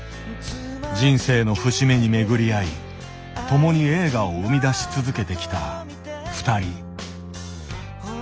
人生の節目に巡り会い共に映画を生み出し続けてきたふたり。